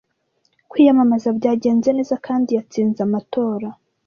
Kwiyamamaza byagenze neza kandi yatsinze amatora.